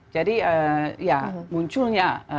jadi ya munculnya